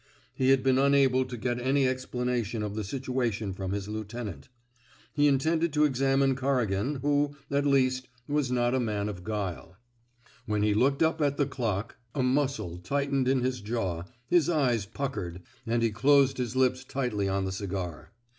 He had been unable to get any explanation of the situation from his lieutenant. He intended to examine Corrigan, who, at least, was not a man of guile. When he looked up at the clock, a muscle 258 A PERSONALLY CONDUCTED REVOLT tightened in his jaw, his eyes puckered, and he closed his lips tightly on the cigar.